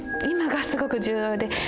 今がすごく重要で。